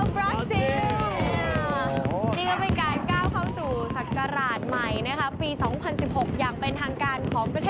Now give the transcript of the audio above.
ไปแล้วคุณผู้ชมเรานับถอยหลังไปพร้อมกันเลยเนี่ย